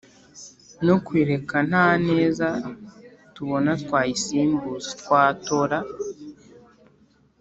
no kuyireka nta neza tubonatwayisimbuza, twatora.